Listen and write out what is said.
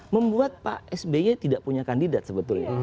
membuat pak sby tidak punya kandidat sebetulnya